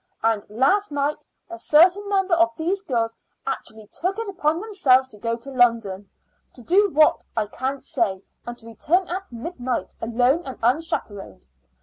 And last night a certain number of these girls actually took it upon themselves to go to London to do what, I can't say and to return at midnight, alone and unchaperoned.